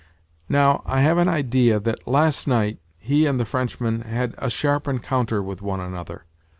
Now, I have an idea that, last night, he and the Frenchman had a sharp encounter with one another.